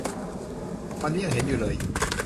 วันนี้ยังเห็นอยู่เลย